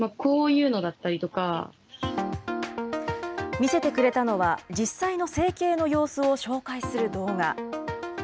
見せてくれたのは、実際の整形の様子を紹介する動画。